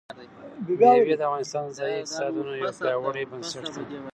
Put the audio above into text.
مېوې د افغانستان د ځایي اقتصادونو یو پیاوړی بنسټ دی.